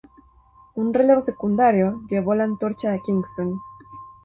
Un relevo secundario llevó la antorcha a Kingston.